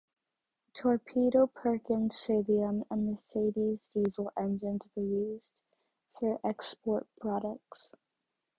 Torpedo, Perkins, Saviem and Mercedes diesel engines were used for export products.